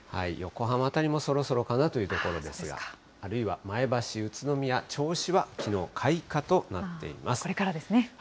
横浜辺りもそろそろかなということですが、あるいは前橋、宇都宮、銚子はきのう開花となっています。